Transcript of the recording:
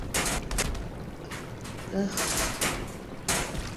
- Ыһ!